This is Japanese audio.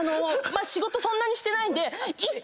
まあ仕事そんなにしてないんで。